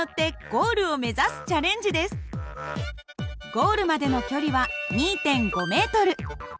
ゴールまでの距離は２．５ｍ。